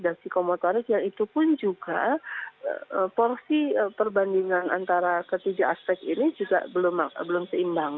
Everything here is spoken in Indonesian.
nah kecerdasan yang kognitif tunggal ya itu pun juga porsi perbandingan antara ketiga aspek ini juga belum seimbang